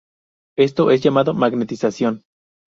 Esto es llamado magnetización.